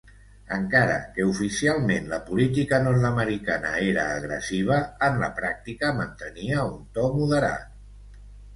Encara que oficialment la política nord-americana era agressiva, en la pràctica mantenia un to moderat.